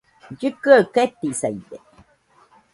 Llikɨaɨ ketisaide